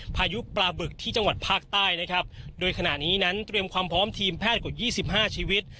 พายุปลาบึกที่จังหวัดภาคใต้นะครับโดยขณะนี้นั้นเตรียมความพร้อมทีมแพทย์กว่ายี่สิบห้าชีวิต